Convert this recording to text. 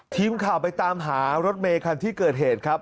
ทีมข่าวไปตามหารถเมคันที่เกิดเหตุครับ